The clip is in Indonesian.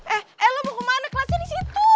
eh eh lo mau kemana kelasnya di situ